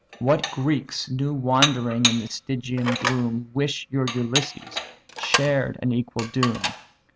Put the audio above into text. What Greeks new wandering in the Stygian gloom, Wish your Ulysses shared an equal doom!